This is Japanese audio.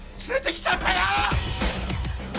連れてきちゃったの！？